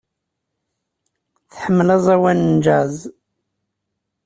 Tḥemmel aẓawan n jazz.